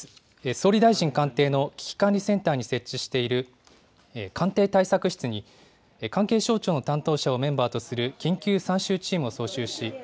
総理大臣官邸の危機管理センターに設置している官邸対策室に、関係省庁の担当者をメンバーとする緊急参集チームを招集し。